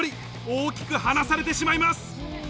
大きく離されてしまいます。